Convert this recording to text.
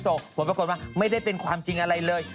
อย่างนี้ก็ปรากฏว่าไม่ได้เป็นความจริงอะไรเลย